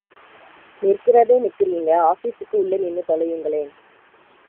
நிற்கறதே நிற்கிறீங்க ஆபீஸுக்கு உள்ளே நின்னு தொலையுங்களேன்.